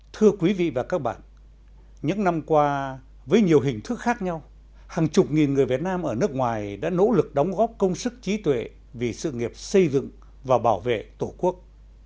thưa quý vị và các bạn những năm qua với nhiều hình thức khác nhau hàng chục nghìn người việt nam ở nước ngoài đã nỗ lực đóng góp công sức trí tuệ vì sự nghiệp xây dựng và bảo vệ tổ quốc